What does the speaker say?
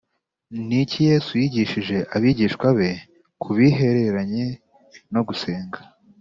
Ni iki Yesu yigishije abigishwa be ku bihereranye no gusenga